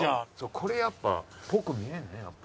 これやっぱっぽく見えるねやっぱ。